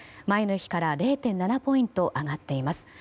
前の日から０．７ポイント上がっています。